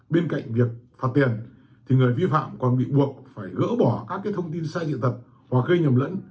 bên cạnh việc phạt tiền thì người vi phạm còn bị buộc phải gỡ bỏ các thông tin sai sự thật và gây nhầm lẫn